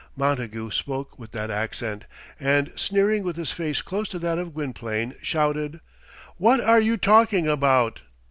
Montagu spoke with that accent, and sneering with his face close to that of Gwynplaine, shouted, "What are you talking about?"